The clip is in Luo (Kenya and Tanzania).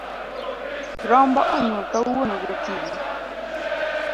Rombo onyuol kawuono gokinyi.